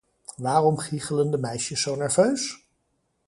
Waarom giechelen de meisjes zo nerveus?